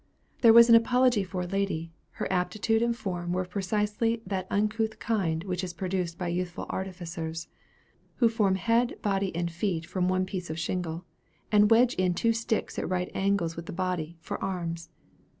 There was an apology for a lady. Her attitude and form were of precisely that uncouth kind which is produced by youthful artificers, who form head, body and feet from one piece of shingle; and wedge in two sticks at right angles with the body, for arms.